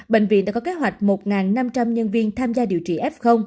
bệnh viện đã có kế hoạch một năm trăm linh nhân viên tham gia điều trị f